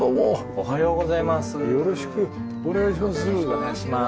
おはようございます。